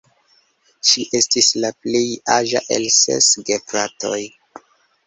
Ŝi estis la plej aĝa el ses gefratoj.